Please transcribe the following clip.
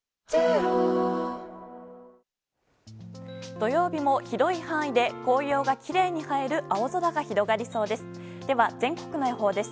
土曜日も広い範囲で紅葉がきれいに映える青空が広がりそうです。